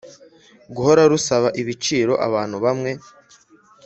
guhora rusaba ibiciro abantu bamwe